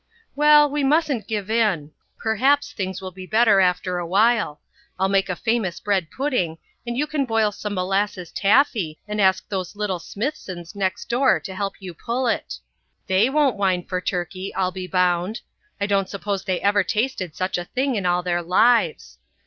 "Well, we mustn't give in; perhaps things will be better after a while. I'll make a famous bread pudding, and you can boil some molasses taffy and ask those little Smithsons next door to help you pull it. They won't whine for turkey, I'll be bound. I don't suppose they ever tasted such a thing in all their lives.